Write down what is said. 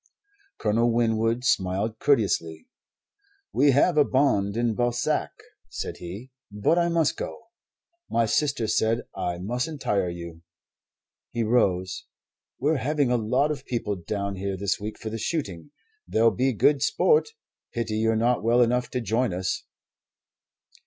Colonel Winwood smiled courteously. "We have a bond in Balzac," said he. "But I must go. My sister said I mustn't tire you." He rose. "We're having a lot of people down here this week for the shooting. There'll be good sport. Pity you're not well enough to join us."